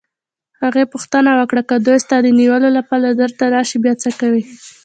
هغې پوښتنه وکړه: که دوی ستا د نیولو لپاره دلته راشي، بیا څه کوې؟